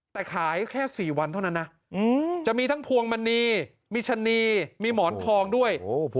แต่ขายแค่๔วันเท่านั้นนะจะมีทั้งพวงมณีมีชะนีมีหมอนทองด้วย